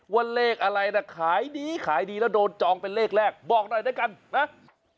ว่าเลขอะไรนะขายดีขายดีแล้วโดนจองเป็นเลขแรกบอกหน่อยด้วยกันไหม